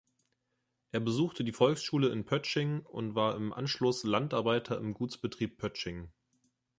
Er besuchte die Volksschule in Pöttsching und war im Anschluss Landarbeiter im Gutsbetrieb Pöttsching.